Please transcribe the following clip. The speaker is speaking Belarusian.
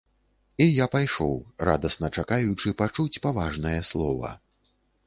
І я пайшоў, радасна чакаючы пачуць паважнае слова.